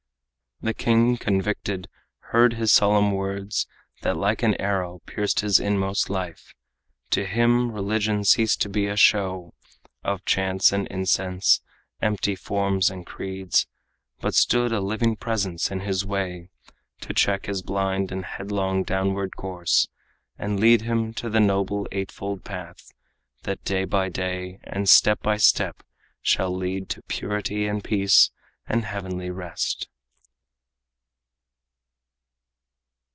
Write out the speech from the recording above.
The king, convicted, heard his solemn words That like an arrow pierced his inmost life. To him religion ceased to be a show Of chants and incense, empty forms and creeds, But stood a living presence in his way To check his blind and headlong downward course, And lead him to the noble eightfold path, That day by day and step by step shall lead To purity and peace and heavenly rest.